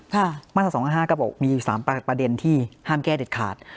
ค่ะมาตราสองห้าห้าก็บอกมีสามประเด็นที่ห้ามแก้เด็ดขาด